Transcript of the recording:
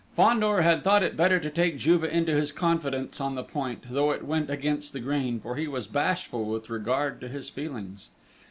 Fandor had thought it better to take Juve into his confidence on the point, though it went against the grain, for he was bashful with regard to his feelings.